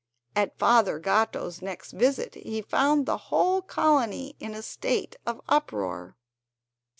At Father Gatto's next visit he found the whole colony in a state of uproar.